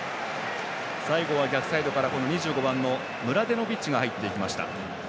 最後は逆サイドから２５番のムラデノビッチが入っていきました。